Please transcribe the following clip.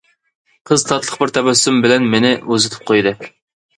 قىز تاتلىق بىر تەبەسسۇم بىلەن مېنى ئۇزىتىپ قويدى.